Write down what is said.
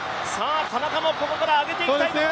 田中もここから上げていきたいところ。